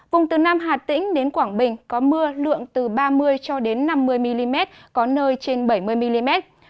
vùng từ nam hà tĩnh đến quảng bình có mưa lượng từ ba mươi cho đến năm mươi mm có nơi trên bảy mươi mm